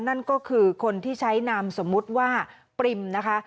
นั่นก็คือคนที่ใช้นามสมมุติว่าปริมนะคะ